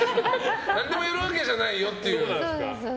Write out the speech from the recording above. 何でもやるわけじゃないよっていう。